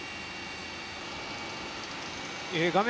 画面